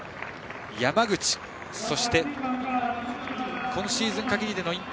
そして今シーズン限りでの引退